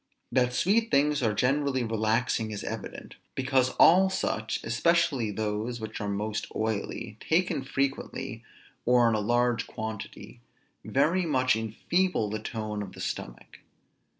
That sweet things are generally relaxing, is evident; because all such, especially those which are most oily, taken frequently, or in a large quantity, very much enfeeble the tone of the stomach.